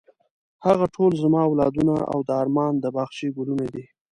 هغه ټول زما اولادونه او د ارمان د باغچې ګلونه دي.